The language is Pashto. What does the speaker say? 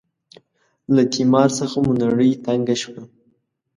له تیمار څخه مو نړۍ تنګه شوه.